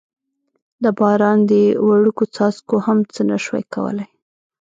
د باران دې وړوکو څاڅکو هم څه نه شوای کولای.